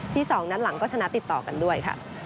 ที่๒นัดหลังก็ชนะติดต่อกันด้วย